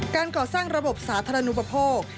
การก่อสร้างระบบสาธารณูปโภค